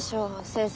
先生